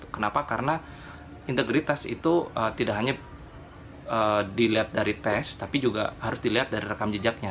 kenapa karena integritas itu tidak hanya dilihat dari tes tapi juga harus dilihat dari rekam jejaknya